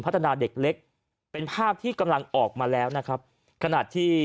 เด็กเล็กเป็นภาพที่กำลังออกมาแล้วนะครับขณะที่